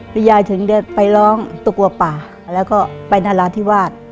แล้วยายถึงเดินไปร้องตะกัวป่าแล้วก็ไปนราธิวาส